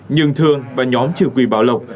nhưng thường và nhóm chủ quỳ bảo lộc